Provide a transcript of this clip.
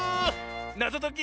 なぞとき。